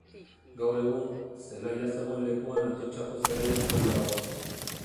Gaur egun, zelaia zegoen lekuan Atotxako Zelaia plaza dago.